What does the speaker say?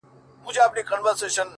• بل جهان بل به نظام وي چي پوهېږو,